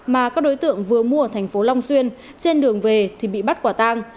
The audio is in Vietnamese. mà các đối tượng vừa mua ở thành phố long xuyên trên đường về thì bị bắt quả tang